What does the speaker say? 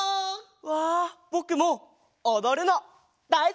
わあぼくもおどるのだいすきなんだ！